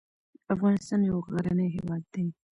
افغانستان یو غرنې هیواد ده